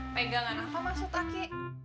pegangan apa maksud aki